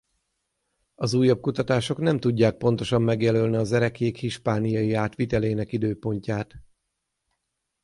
Az újabb kutatások nem tudják pontosan megjelölni az ereklyék hispániai átvitelének időpontját.